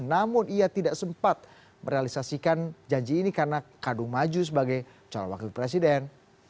namun ia tidak sempat merealisasikan janji ini karena kadung maju sebagai calon wakil presiden